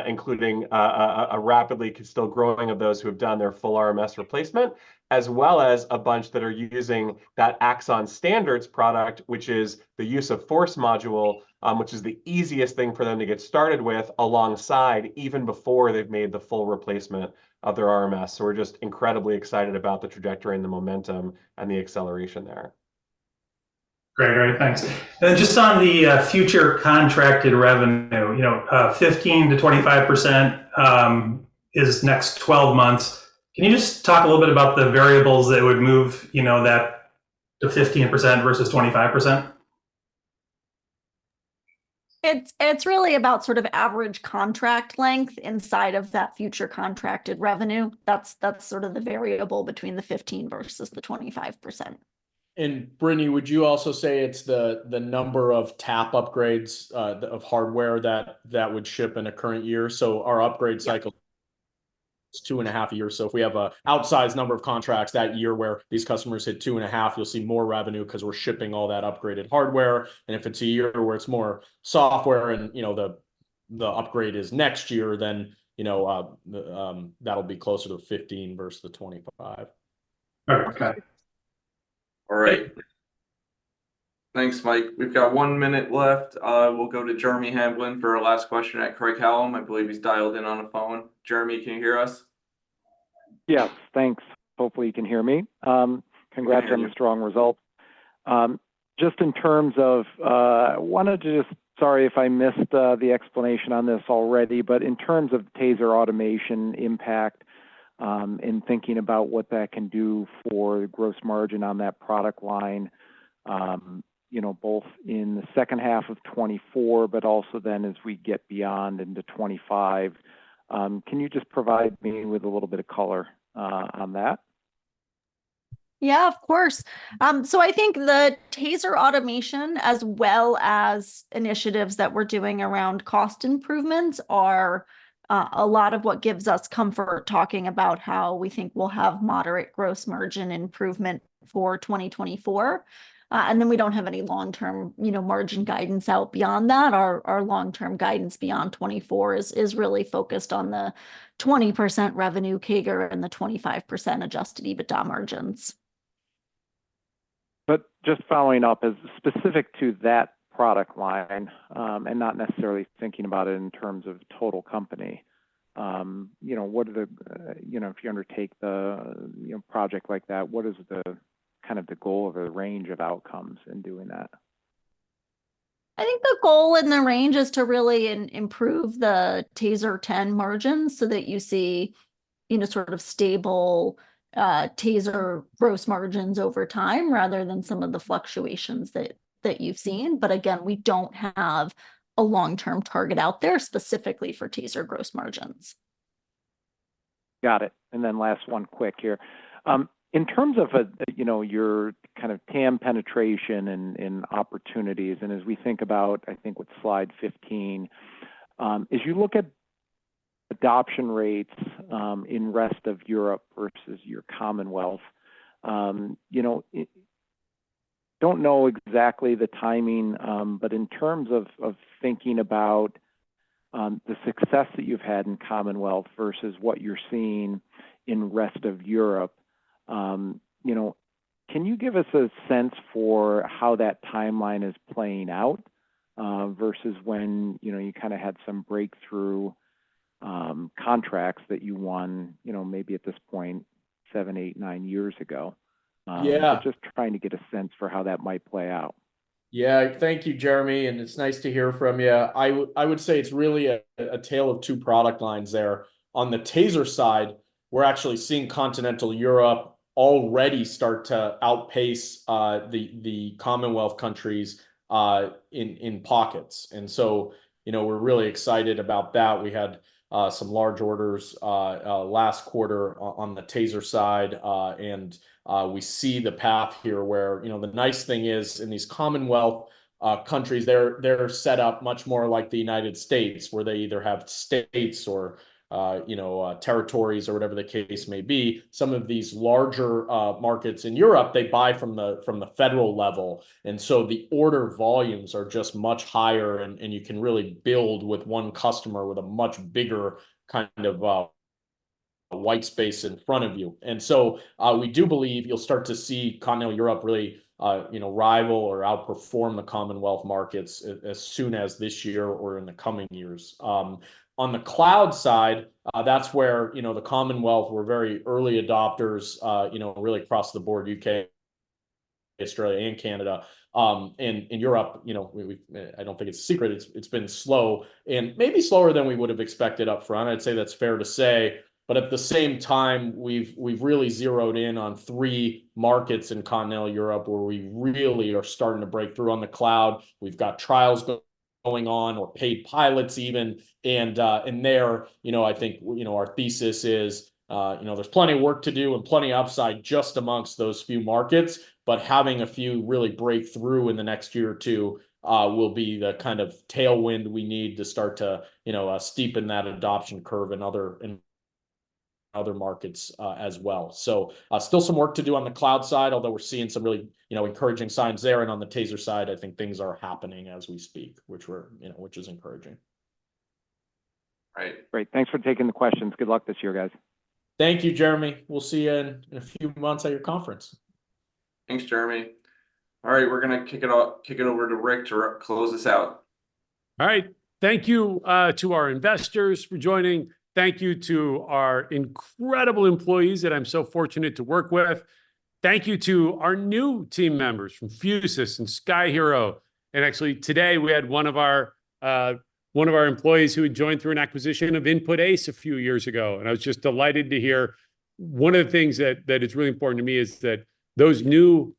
including a rapidly still growing of those who have done their full RMS replacement, as well as a bunch that are using that Axon Standards product, which is the Use of Force module, which is the easiest thing for them to get started with alongside even before they've made the full replacement of their RMS. We're just incredibly excited about the trajectory and the momentum and the acceleration there. Great. All right. Thanks. And then just on the future contracted revenue, 15%-25% is next 12 months. Can you just talk a little bit about the variables that would move that to 15% versus 25%? It's really about sort of average contract length inside of that future contracted revenue. That's sort of the variable between the 15% versus the 25%. Brittany, would you also say it's the number of TASER upgrades of hardware that would ship in a current year? Our upgrade cycle is two and half years. If we have an outsized number of contracts that year where these customers hit two and a half years, you'll see more revenue because we're shipping all that upgraded hardware. If it's a year where it's more software and the upgrade is next year, then that'll be closer to 15 versus the 25. All right. Okay. All right. Thanks, Mike. We've got one minute left. We'll go to Jeremy Hamblin for our last question at Craig-Hallum. I believe he's dialed in on a phone. Jeremy, can you hear us? Yes. Thanks. Hopefully, you can hear me. Congrats on the strong result. Just in terms of I wanted to just sorry if I missed the explanation on this already, but in terms of TASER automation impact and thinking about what that can do for the gross margin on that product line, both in the second half of 2024, but also then as we get beyond into 2025, can you just provide me with a little bit of color on that? Yeah, of course. So I think the TASER automation, as well as initiatives that we're doing around cost improvements, are a lot of what gives us comfort talking about how we think we'll have moderate gross margin improvement for 2024. Then we don't have any long-term margin guidance out beyond that. Our long-term guidance beyond 2024 is really focused on the 20% revenue CAGR and the 25% Adjusted EBITDA margins. Just following up, specific to that product line and not necessarily thinking about it in terms of total company, what are they if you undertake the project like that? What is kind of the goal of the range of outcomes in doing that? I think the goal in the range is to really improve the TASER 10 margins so that you see sort of stable TASER gross margins over time rather than some of the fluctuations that you've seen. But again, we don't have a long-term target out there specifically for TASER gross margins. Got it. And then last one quick here. In terms of your kind of TAM penetration and opportunities, and as we think about, I think, what's slide 15, as you look at adoption rates in rest of Europe versus your Commonwealth, don't know exactly the timing, but in terms of thinking about the success that you've had in Commonwealth versus what you're seeing in rest of Europe, can you give us a sense for how that timeline is playing out versus when you kind of had some breakthrough contracts that you won maybe at this point seven eight nine years ago? Just trying to get a sense for how that might play out. Yeah. Thank you, Jeremy. It's nice to hear from you. I would say it's really a tale of two product lines there. On the TASER side, we're actually seeing continental Europe already start to outpace the Commonwealth countries in pockets. So we're really excited about that. We had some large orders last quarter on the TASER side. We see the path here where the nice thing is in these Commonwealth countries, they're set up much more like the United States where they either have states or territories or whatever the case may be. Some of these larger markets in Europe, they buy from the federal level. So the order volumes are just much higher, and you can really build with one customer with a much bigger kind of white space in front of you. And so we do believe you'll start to see continental Europe really rival or outperform the Commonwealth markets as soon as this year or in the coming years. On the cloud side, that's where the Commonwealth were very early adopters, really across the board, UK, Australia, and Canada. And in Europe, I don't think it's a secret. It's been slow and maybe slower than we would have expected up front. I'd say that's fair to say. But at the same time, we've really zeroed in on three markets in continental Europe where we really are starting to break through on the cloud. We've got trials going on or paid pilots even. And there, I think our thesis is there's plenty of work to do and plenty of upside just amongst those few markets. But having a few really breakthrough in the next year or two will be the kind of tailwind we need to start to steepen that adoption curve in other markets as well. So still some work to do on the cloud side, although we're seeing some really encouraging signs there. And on the TASER side, I think things are happening as we speak, which is encouraging. Right. Great. Thanks for taking the questions. Good luck this year, guys. Thank you, Jeremy. We'll see you in a few months at your conference. Thanks, Jeremy. All right. We're going to kick it over to Rick to close this out. All right. Thank you to our investors for joining. Thank you to our incredible employees that I'm so fortunate to work with. Thank you to our new team members from Fusus and Sky-Hero. And actually, today, we had one of our employees who had joined through an acquisition of Input-Ace a few years ago. And I was just delighted to hear one of the things that is really important to me is that those new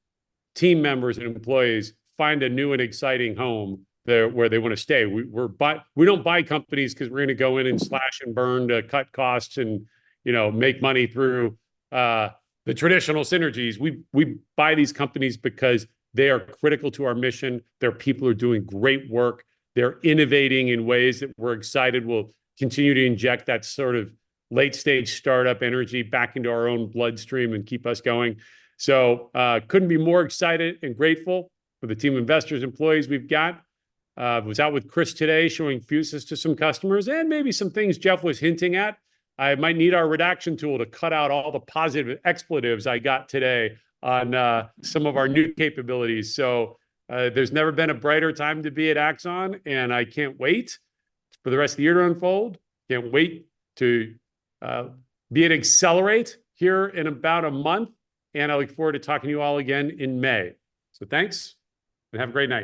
team members and employees find a new and exciting home where they want to stay. We don't buy companies because we're going to go in and slash and burn to cut costs and make money through the traditional synergies. We buy these companies because they are critical to our mission. Their people are doing great work. They're innovating in ways that we're excited will continue to inject that sort of late-stage startup energy back into our own bloodstream and keep us going. So couldn't be more excited and grateful for the team of investors and employees we've got. I was out with Chris today showing Fusus to some customers and maybe some things Jeff was hinting at. I might need our redaction tool to cut out all the positive expletives I got today on some of our new capabilities. So there's never been a brighter time to be at Axon, and I can't wait for the rest of the year to unfold. Can't wait to be at Accelerate here in about a month. And I look forward to talking to you all again in May. So thanks and have a great night.